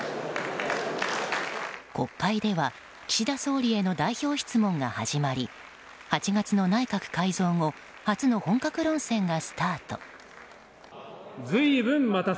国会では岸田総理への代表質問が始まり８月の内閣改造後初の本格論戦がスタート。